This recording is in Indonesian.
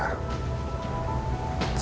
rumah tangga saya juga